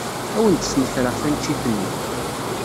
Ad awen-d-smetreɣ taneččit-nni.